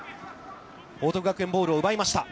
報徳学園、ボールを奪いました。